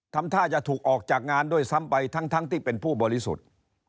ทำท่าจะถูกออกจากงานด้วยซ้ำไปทั้งที่เป็นผู้บริสุทธิ์